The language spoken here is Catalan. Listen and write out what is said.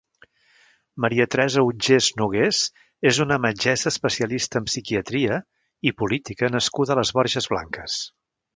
Maria Teresa Utgés Nogués és una metgessa especialista en psiquiatria i política nascuda a les Borges Blanques.